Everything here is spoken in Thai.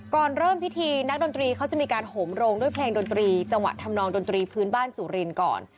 ก่อนเริ่มพิธีนักดนตรีเขาจะมีการโหมโรงด้วยเพลงดนตรีจังหวะทำนองดนตรีพื้นบ้านสุรินทร์ก่อน